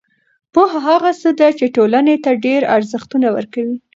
پوهه هغه څه ده چې ټولنې ته د ډېری ارزښتونه ورکوي.